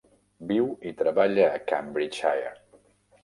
Viu i treballa a Cambridgeshire.